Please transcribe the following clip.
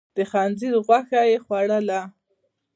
د خنزير غوښه يې خوړله.